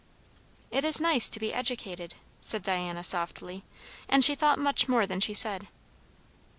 "It is nice to be educated," said Diana softly. And she thought much more than she said.